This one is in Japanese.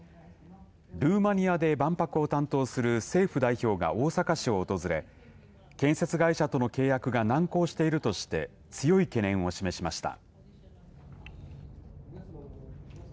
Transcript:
ルーマニアで万博を担当する政府代表が大阪市を訪れ建設会社との契約が難航しているとして強い懸念を示しました。